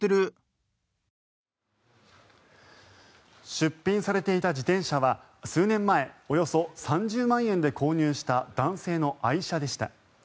出品されていた自転車は数年前、およそ３０万円で購入した男性の愛車でした。